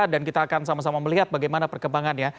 dan kita akan sama sama melihat bagaimana perkembangan ya